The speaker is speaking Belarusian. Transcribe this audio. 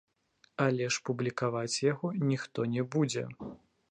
Але ж публікаваць яго ніхто не будзе.